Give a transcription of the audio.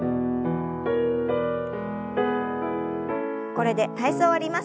これで体操を終わります。